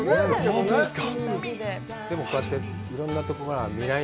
本当ですか？